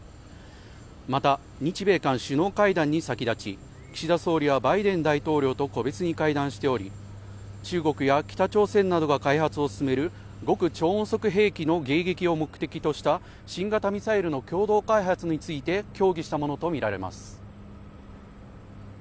また、日米韓首脳会談に先立ち岸田総理はバイデン大統領と個別に会談しており、中国や北朝鮮などが開発を進める極超音速兵器の迎撃を目的とした新型ミサイルの共同開発について協議したものとみられます。